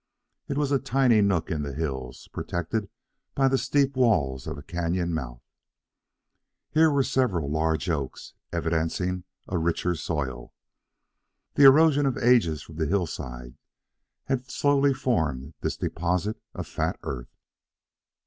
It was a tiny nook in the hills, protected by the steep walls of a canon mouth. Here were several large oaks, evidencing a richer soil. The erosion of ages from the hillside had slowly formed this deposit of fat earth.